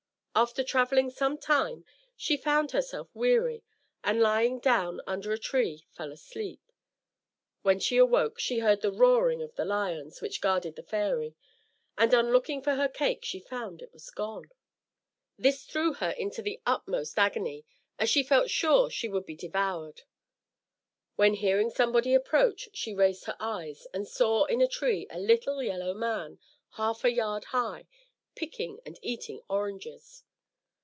After travelling some time she found herself weary, and lying down under a tree fell asleep. When she awoke, she heard the roaring of the lions which guarded the fairy, and on looking for her cake she found it was gone. This threw her into the utmost agony, as she felt sure she should be devoured; when, hearing somebody approach, she raised her eyes, and saw in a tree a little yellow man half a yard high, picking and eating oranges.